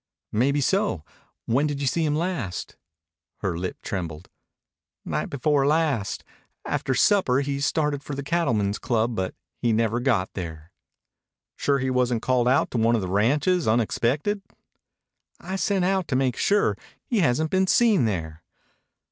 "Maybeso. When did you see him last?" Her lip trembled. "Night before last. After supper he started for the Cattleman's Club, but he never got there." "Sure he wasn't called out to one of the ranches unexpected?" "I sent out to make sure. He hasn't been seen there."